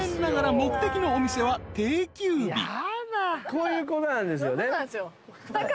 こういうことなんですよね。